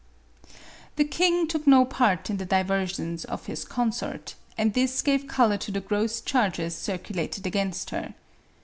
The king took no part in the diversions of his con sort, and this gave color to the gross charges circulated against her.